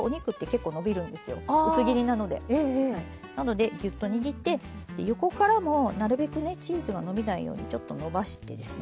なのでギュッと握ってで横からもなるべくねチーズが伸びないようにちょっと伸ばしてですね